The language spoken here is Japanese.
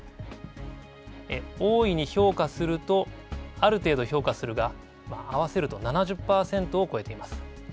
大いに評価すると、ある程度評価するが、合わせると７０％を超えています。